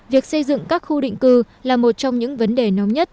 việc xây dựng các khu định cư là một trong những vấn đề nóng nhất